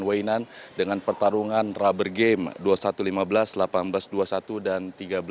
wei nan dengan pertarungan rubber game dua puluh satu lima belas delapan belas dua puluh satu dan tiga belas dua puluh satu